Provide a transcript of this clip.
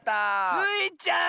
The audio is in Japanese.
スイちゃん！